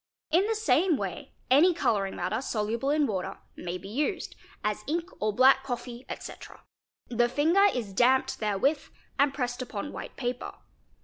In the same way any colouring matter, soluble 7 in water, may be used, as ink or black coffee, etc.,—the finger is damped therewith and pressed upon white paper.